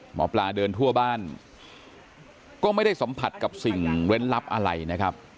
หมอปลาเดินทั่วบ้านก็ไม่ได้สัมผัสกับสิ่งเล่นลับอะไรนะครับ